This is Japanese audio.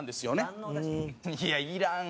いやいらん。